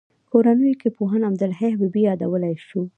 کورنیو کې پوهاند عبدالحی حبیبي یادولای شو.